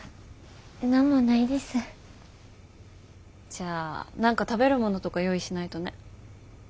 じゃあ何か食べるものとか用意しないとね。